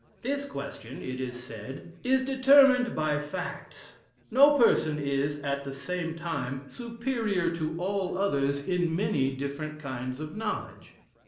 This question, it is said, is determined by facts; no person is, at the same time, superior to all others in many different kinds of knowledge.